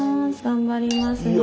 頑張りますよ。